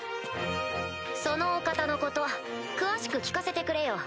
そのお方のこと詳しく聞かせてくれよ。